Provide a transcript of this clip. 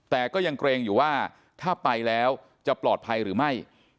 แต่ก็ยังเกรงอยู่ว่าถ้าไปแล้วจะปลอดภัยหรือไม่